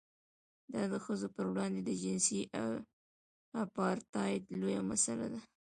دا د ښځو پر وړاندې د جنسیتي اپارټایډ لویه مسله ده.